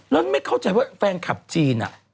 แล้วไม่เข้าใจว่าแฟนคลับจีน